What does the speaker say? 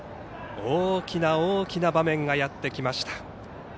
大きな大きな場面がやってきました。